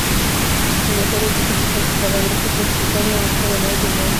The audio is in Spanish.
Los mejores dos equipos de cada grupo clasificaron al hexagonal final.